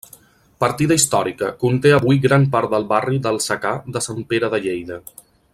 Partida històrica, conté avui gran part del barri d'El Secà de Sant Pere de Lleida.